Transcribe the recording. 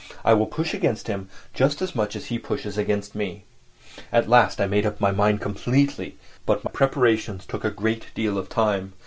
I will push against him just as much as he pushes against me." At last I made up my mind completely. But my preparations took a great deal of time.